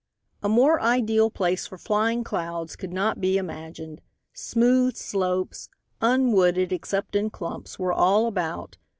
A more ideal place for flying could not be imagined. Smooth slopes unwooded, except in clumps were all about.